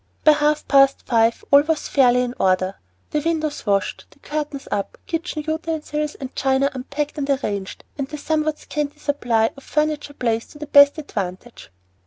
By half past five all was fairly in order, the windows washed, the curtains up, kitchen utensils and china unpacked and arranged, and the somewhat scanty supply of furniture placed to the best advantage.